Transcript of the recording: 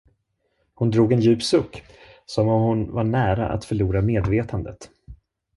Hon drog en djup suck, som om hon vore nära att förlora medvetandet.